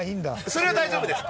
それは大丈夫です。